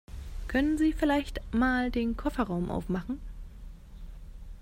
Können Sie vielleicht mal den Kofferraum aufmachen?